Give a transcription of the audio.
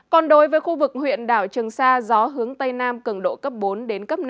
còn đối với khu vực huyện đảo trường sa gió hướng tây nam cường độ cấp bốn đến cấp năm